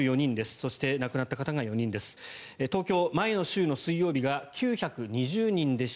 そして、亡くなった方が４人です。